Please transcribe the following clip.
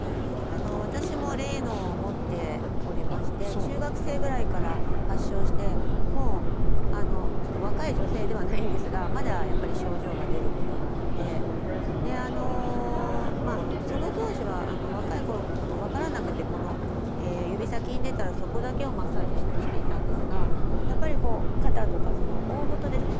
私もレイノーを持っておりまして中学生ぐらいから発症してもう若い女性ではないんですがまだ症状が出ることがあってその当時は若い頃、わからなくて指先に出たらそこだけをマッサージしたりしていたんですがやっぱり肩とか大元ですね